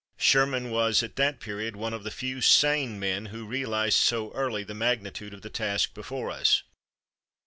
Sherman was at that period one of the few sane men who realized so early the magnitude of the task before us.